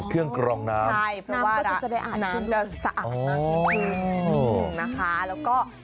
ติดเครื่องกลองน้ำน้ำก็จะสะอาดขึ้นด้วยใช่เพราะว่าน้ำจะสะอาดขึ้น